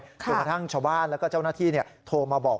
จนกระทั่งชาวบ้านแล้วก็เจ้าหน้าที่โทรมาบอก